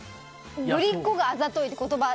ぶりっ子があざといという言葉。